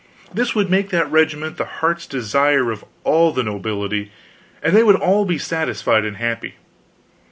This would make that regiment the heart's desire of all the nobility, and they would all be satisfied and happy.